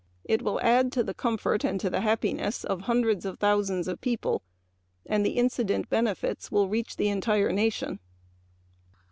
It will add to the comfort and happiness of hundreds of thousands of people and the incident benefits will reach the entire nation.